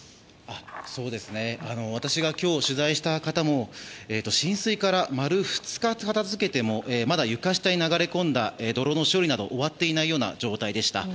私が今日、取材した方も浸水から丸２日、片付けてもまだ床下に流れ込んだ泥の処理などが終わっていないような状態でした。